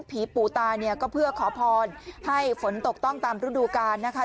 ปู่ตาเนี่ยก็เพื่อขอพรให้ฝนตกต้องตามฤดูกาลนะคะ